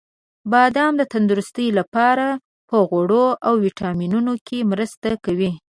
• بادام د تندرستۍ لپاره په غوړو او ویټامینونو کې مرسته کوي.